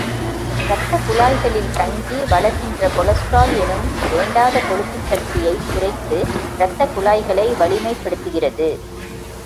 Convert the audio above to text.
இரத்த குழாய்களில் தங்கி வளர்கின்ற கொலஸ்ட்ரால் எனும் வேண்டாத கொழுப்புச் சக்தியைக் குறைத்து, இரத்தக் குழாய்களை வலிமைப்படுத்துகிறது.